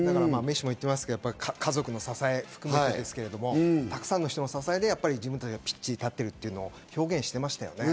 メッシも言ってますけど、家族の支え含めてですけど、沢山の人の支えで自分たちがピッチに立っているというのを表現してましたね。